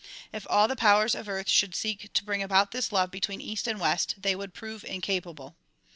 If all the powers of earth should seek to bring about this love between east and west they would prove incapable.